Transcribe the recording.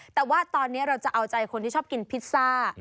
แต่ว่าตอนนี้เราจะเอาใจคนที่ชอบกินพิซซ่า